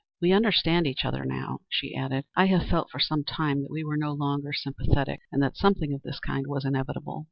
"We understand each other now," she added. "I have felt for some time that we were no longer sympathetic; and that something of this kind was inevitable.